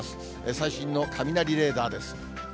最新の雷レーダーです。